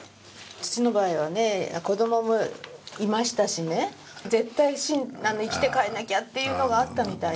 父の場合はね、子供もいましたしね、絶対生きて帰らなきゃっていうのがあったみたいね。